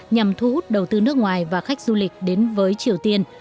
nhằm thu hút đầu tư nước ngoài và khách du lịch đến với triều tiên